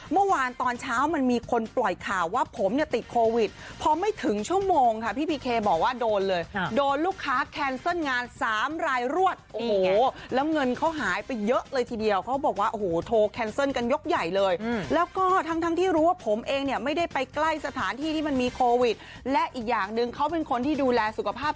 เมื่อวานตอนเช้ามันมีคนปล่อยข่าวว่าผมเนี่ยติดโควิดพอไม่ถึงชั่วโมงค่ะพี่พีเคบอกว่าโดนเลยโดนลูกค้าแคนเซิลงานสามรายรวดโอ้โหแล้วเงินเขาหายไปเยอะเลยทีเดียวเขาบอกว่าโอ้โหโทรแคนเซิลกันยกใหญ่เลยแล้วก็ทั้งที่รู้ว่าผมเองเนี่ยไม่ได้ไปใกล้สถานที่ที่มันมีโควิดและอีกอย่างหนึ่งเขาเป็นคนที่ดูแลสุขภาพ